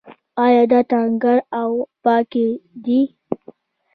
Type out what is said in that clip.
آیا د تانکر اوبه پاکې دي؟